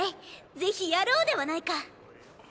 ぜひやろうではないか！